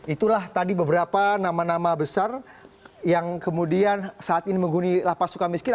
itulah tadi beberapa nama nama besar yang kemudian saat ini menghuni lapas suka miskin